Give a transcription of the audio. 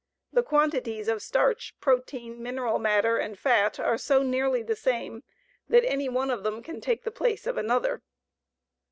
The quantities of starch, protein, mineral matter, and fat are so nearly the same that any one of them can take the place of another.